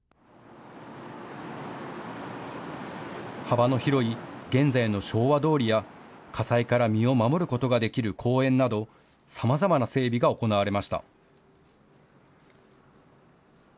幅の広い現在の昭和通りや火災から身を守ることができる公園などさまざまな整備が行われました。